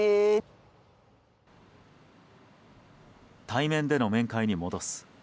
対面での面会に戻す。